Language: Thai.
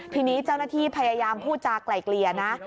ทีนี้เจ้าหน้าที่พยายามพูดจากไล่เกลี่ยนะ